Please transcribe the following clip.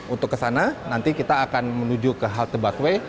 untuk ke sana nanti kita akan menuju ke halte busway